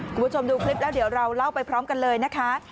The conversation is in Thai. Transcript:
คุณผู้ชมดูคลิปแล้วเดี๋ยวเราเล่าไปพร้อมกันเลยนะคะ